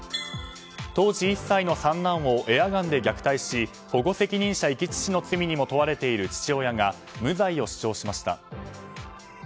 当時１歳の三男をエアガンで虐待し保護責任者遺棄致死の罪にも問われている父親が無罪を主張しました。